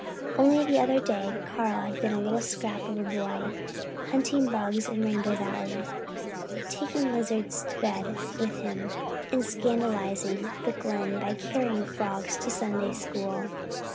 Only the other day Carl had been a little scrap of a boy, hunting bugs in Rainbow Valley, taking lizards to bed with him, and scandalizing the Glen by carrying frogs to Sunday School.